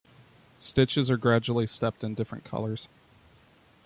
Stitches are gradually stepped in different colors.